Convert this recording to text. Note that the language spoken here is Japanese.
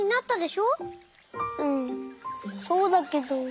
うんそうだけど。